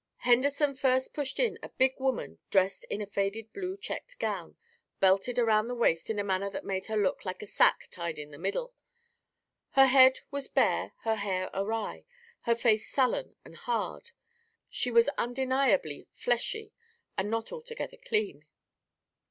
Henderson first pushed in a big woman dressed in a faded blue checked gown, belted around the waist in a manner that made her look like a sack tied in the middle. Her head was bare, her hair awry, her face sullen and hard; she was undeniably "fleshy" and not altogether clean.